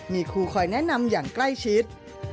มีครูคอยแนะนำอย่างใกล้ชิด